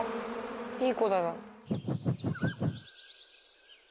いい子だな。